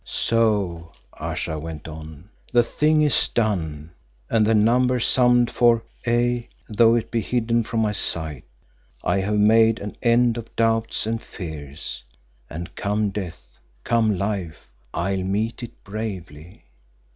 "So," Ayesha went on, "the thing is done and the number summed for aye, though it be hidden from my sight. I have made an end of doubts and fears, and come death, come life, I'll meet it bravely.